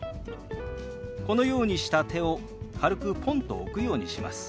このようにした手を軽くポンと置くようにします。